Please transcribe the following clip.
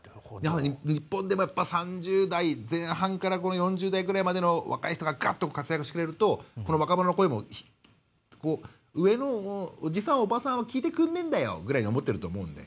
日本では３０代前半から４０代ぐらいまでの若い人が活躍してくれると若者の声も上のおじさん、おばさんは聞いてくんねえんだよとか思ってると思うので。